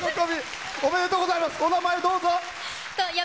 お名前、どうぞ！